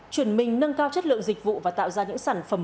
chuyển mình nâng cao chất lượng dịch vụ và tạo ra những sản phẩm